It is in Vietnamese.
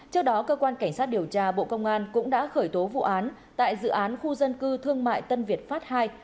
trước đó cơ quan cảnh sát điều tra bộ công an cũng đã khởi tố vụ án tại dự án khu dân cư thương mại tân việt pháp ii